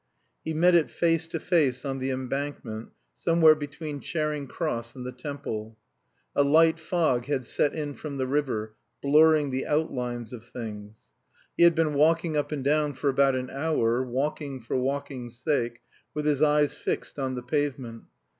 He met it face to face on the Embankment somewhere between Charing Cross and the Temple. A light fog had set in from the river, blurring the outlines of things. He had been walking up and down for about an hour, walking for walking's sake, with his eyes fixed on the pavement.